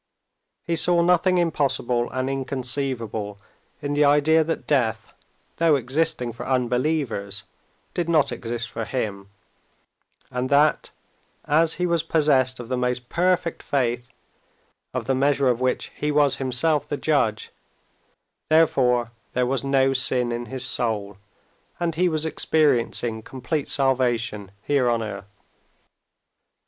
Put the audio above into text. He saw nothing impossible and inconceivable in the idea that death, though existing for unbelievers, did not exist for him, and that, as he was possessed of the most perfect faith, of the measure of which he was himself the judge, therefore there was no sin in his soul, and he was experiencing complete salvation here on earth.